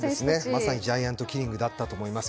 まさにジャイアントキリングだったと思います。